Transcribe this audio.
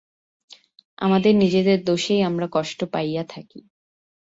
আমাদের নিজেদের দোষেই আমরা কষ্ট পাইয়া থাকি।